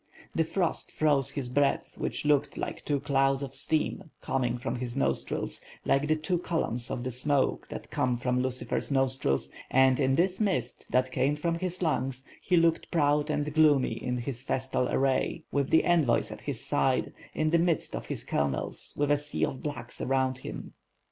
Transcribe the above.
The frost froze his breath which looked like two clouds of steam, coming from his nostrils, like the two columns of smoke that come from Lucifer's nostrils, and in this mist that came from his lungs, he looked proud and gloomy in his festal array, with the envoys at his side; in the midst of his colonels, with a sea of "blacks" around him.